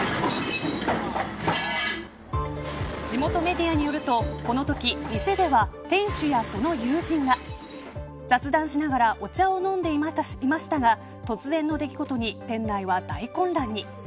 地元メディアによると、このとき店では店主やその友人が雑談しながらお茶を飲んでいましたが突然の出来事に店内は大混乱に。